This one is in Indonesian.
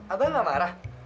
apa gak marah